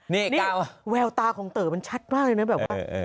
นี่แววตาของเต๋อมันชัดมากเลยนะแบบว่า